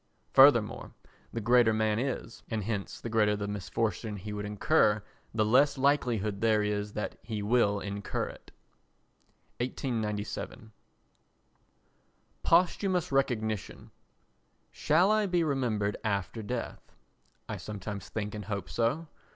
Fortunately the greater man he is, and hence the greater the misfortune he would incur, the less likelihood there is that he will incur it. [1897.] Posthumous Recognition Shall I be remembered after death? I sometimes think and hope so.